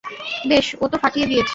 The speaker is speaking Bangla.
বেশ, ও তো ফাটিয়ে দিয়েছে।